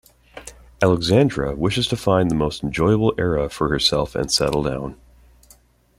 Alexandra wishes to find the most enjoyable era for herself and settle down.